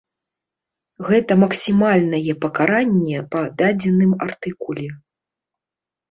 Гэта максімальнае пакаранне па дадзеным артыкуле.